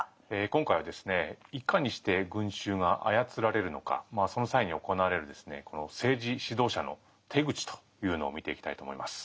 今回はいかにして群衆が操られるのかその際に行われるこの政治指導者の手口というのを見ていきたいと思います。